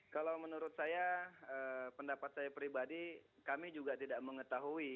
kalau menurut saya pendapat saya pribadi kami juga tidak mengetahui